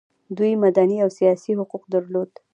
دوی مدني او سیاسي حقوق درلودل.